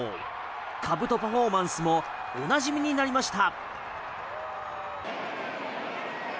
かぶとパフォーマンスもおなじみになりました。